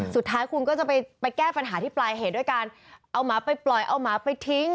สุดท้ายคุณก็จะไปแก้ปัญหาที่ปลายเหตุด้วยการเอาหมาไปปล่อยเอาหมาไปทิ้ง